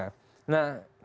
nah kita ingin